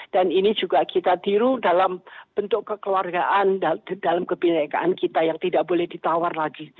dan ini juga kita tiru dalam bentuk kekeluargaan dalam kebinaikan kita yang tidak boleh ditawar lagi